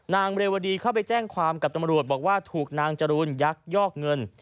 นางเรวดีเข้าไปแจ้งความกับตำรวจบอกว่าถูกนางจรูนยักยอกเงิน